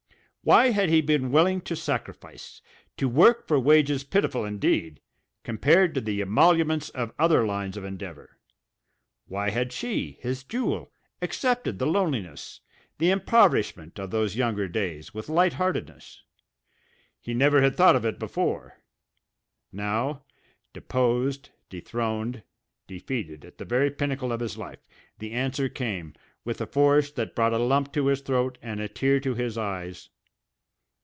Why had he been willing to sacrifice, to work for wages pitiful indeed, compared to the emoluments of other lines of endeavour? Why had she, his Jewel, accepted the loneliness, the impoverishment of those younger days with light heartedness? He never had thought of it before. Now, deposed, dethroned, defeated at the very pinnacle of his life, the answer came, with a force that brought a lump to his throat and a tear to his eyes.